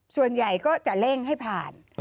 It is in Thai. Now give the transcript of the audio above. ส่วนใหญ่ก็จะเร่งให้ผ่าน